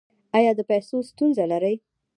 ایا د پیسو ستونزه لرئ؟